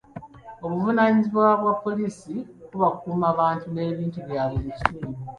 Obuvunaanyizibwa bwa poliisi kuba kukuuma bantu n'ebintu byabwe mu kitundu.